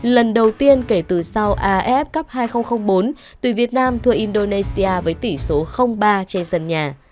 lần đầu tiên kể từ sau af cup hai nghìn bốn tùy việt nam thua indonesia với tỷ số ba trên sân nhà